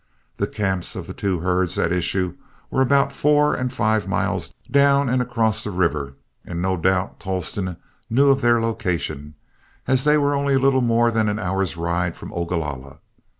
The camps of the two herds at issue were about four and five miles down and across the river, and no doubt Tolleston knew of their location, as they were only a little more than an hour's ride from Ogalalla.